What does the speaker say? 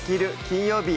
金曜日」